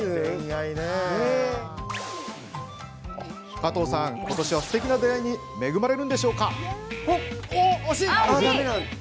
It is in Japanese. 加藤さん、今年はすてきな出会いに恵まれるんでしょうか？